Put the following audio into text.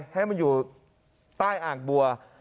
ให้มันอยู่ใต้อ่างบัว